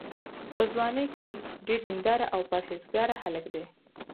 په ځوانۍ کې ډېر دینداره او پرهېزګاره هلک دی.